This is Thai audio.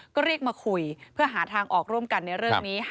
ก็เรียกมาคุยเพื่อหาทางออกร่วมกันในเรื่องนี้